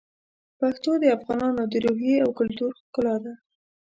پښتو د افغانانو د روحیې او کلتور ښکلا ده.